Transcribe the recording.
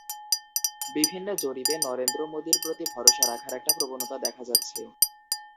বিভিন্ন জরিপে নরেন্দ্র মোদির প্রতি ভরসা রাখার একটা প্রবণতা দেখা যাচ্ছে।